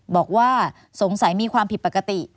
บอกว่าสงสัยมีความผิดปกติ